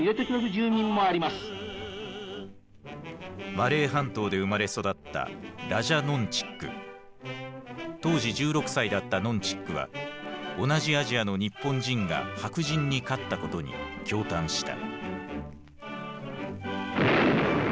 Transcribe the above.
マレー半島で生まれ育った当時１６歳だったノン・チックは同じアジアの日本人が白人に勝ったことに驚嘆した。